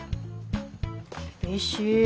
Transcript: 厳しい。